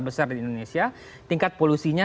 besar di indonesia tingkat polusinya